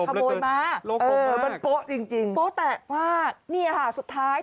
โอ้โหเขาโมยมากโป๊ะจริงโป๊ะแตะมากนี่ค่ะสุดท้าย